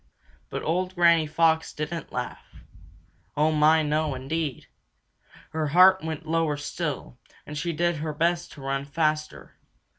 But old Granny Fox didn't laugh oh, my, no, indeed! Her heart went lower still, and she did her best to run faster.